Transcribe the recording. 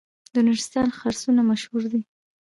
د نورستان خرسونه مشهور دي